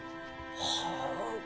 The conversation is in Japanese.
はあ。